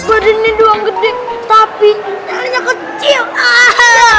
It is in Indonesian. badan ini doang gede tapi jadinya kecil